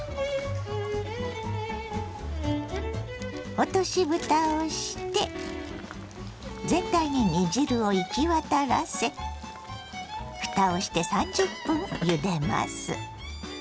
落としぶたをして全体に煮汁を行き渡らせふたをして３０分ゆでます。